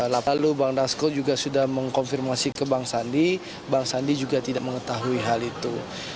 lalu bang dasko juga sudah mengkonfirmasi ke bang sandi bang sandi juga tidak mengetahui hal itu